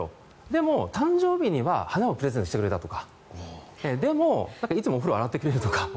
でも、誕生日には花をプレゼントしてくれたとかでも、いつもお風呂を洗ってくれるとか。